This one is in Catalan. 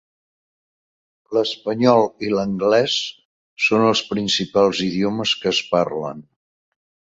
L'espanyol i l'anglès són els principals idiomes que es parlen.